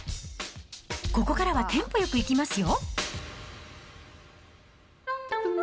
ここからはテンポよくいきますよ。